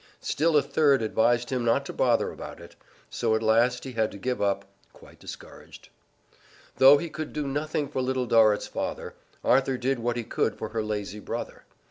Still a third advised him not to bother about it. So at last he had to give up, quite discouraged. Though he could do nothing for Little Dorrit's father, Arthur did what he could for her lazy brother.